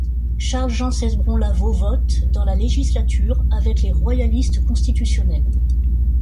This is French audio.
Charles-Jean Cesbron-Lavau vote, dans la législature, avec les royalistes constitutionnels.